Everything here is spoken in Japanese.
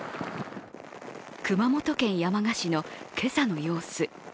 熊本県山鹿市の今朝の様子。